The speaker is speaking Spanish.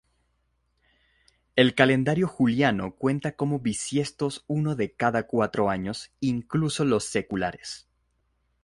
El calendario juliano cuenta como bisiestos uno de cada cuatro años, incluso los seculares.